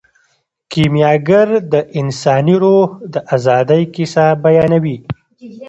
کیمیاګر د انساني روح د ازادۍ کیسه بیانوي.